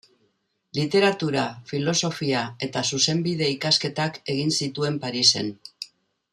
Literatura-, filosofia- eta zuzenbide-ikasketak egin zituen Parisen.